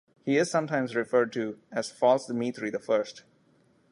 He is sometimes referred to as False Dmitry the First.